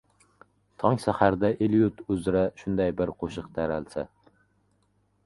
Tong saharda el-yurt uzra shunday bir qo‘shiq taralsa…